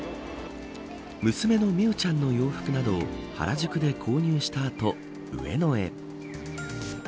娘の美羽ちゃんの洋服など原宿で購入した後、上野へ。